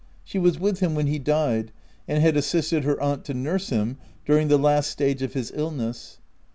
She was with him when he died, and had assisted her aunt to nurse him during the last stage of his illness.